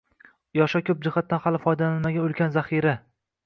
Yoshlar koʻp jihatdan hali foydalanilmagan ulkan zaxira